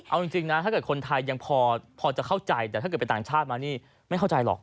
เอาจริงนะถ้าเกิดคนไทยยังพอจะเข้าใจแต่ถ้าเกิดไปต่างชาติมานี่ไม่เข้าใจหรอก